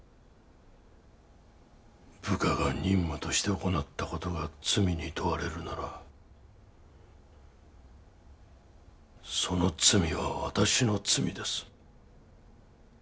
部下が任務として行ったことが罪に問われるならその罪は私の罪です。